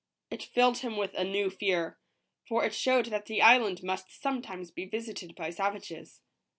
It filled him with a new fear, for it showed that the island must sometimes be visited by savages.